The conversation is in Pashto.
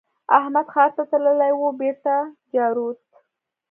احمد ښار ته تللی وو؛ بېرته جارووت.